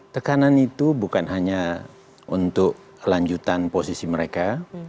tekanan itu bukan hanya untuk lanjutan posisi mereka